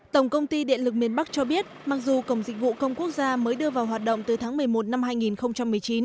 tổng công ty điện lực miền bắc cho biết mặc dù cổng dịch vụ công quốc gia mới đưa vào hoạt động từ tháng một mươi một năm hai nghìn một mươi chín